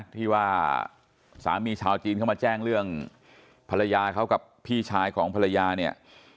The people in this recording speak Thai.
ที่ว่าสามีชาวจีนเข้ามาแจ้งเรื่องภรรยาเขากับพี่ชายของภรรยาเนี่ย